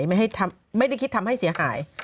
ไม่ได้คิดทำให้เสียหาย